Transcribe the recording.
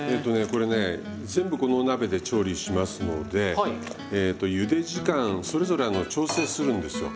これね全部このお鍋で調理しますのでゆで時間それぞれ調整するんですよ。